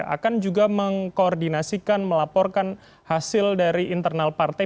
akan juga mengkoordinasikan melaporkan hasil dari internal partai